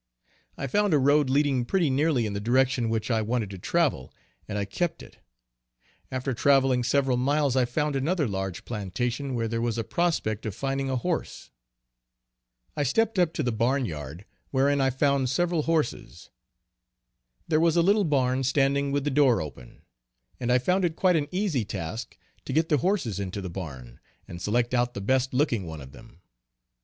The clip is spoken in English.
I found a road leading pretty nearly in the direction which I wanted to travel, and I kept it. After traveling several miles I found another large plantation where there was a prospect of finding a horse. I stepped up to the barn yard, wherein I found several horses. There was a little barn standing with the door open, and I found it quite an easy task to get the horses into the barn, and select out the best looking one of them.